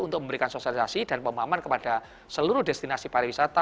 untuk memberikan sosialisasi dan pemahaman kepada seluruh destinasi pariwisata